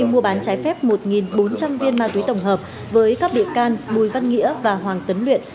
mua bán trái phép một bốn trăm linh viên ma túy tổng hợp với các bị can bùi văn nghĩa và hoàng tấn luyện